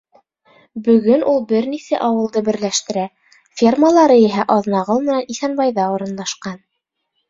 Бөгөн ул бер нисә ауылды берләштерә, фермалары иһә Аҙнағол менән Иҫәнбайҙа урынлашҡан.